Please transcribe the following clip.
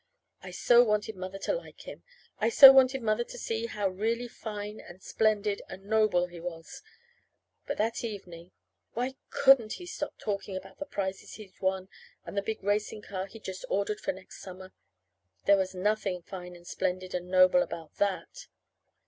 I so wanted Mother to like him! I so wanted Mother to see how really fine and splendid and noble he was. But that evening Why couldn't he stop talking about the prizes he'd won, and the big racing car he'd just ordered for next summer? There was nothing fine and splendid and noble about that.